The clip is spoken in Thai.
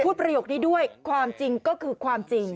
ประโยคนี้ด้วยความจริงก็คือความจริง